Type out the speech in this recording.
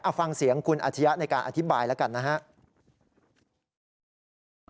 เอาฟังเสียงคุณอาชียะในการอธิบายแล้วกันนะครับ